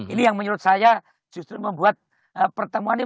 ini yang menurut saya justru membuat pertemuan ini